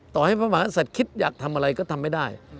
ต่อให้พระมหาศัตริย์คิดอยากทำอะไรก็ทำไม่ได้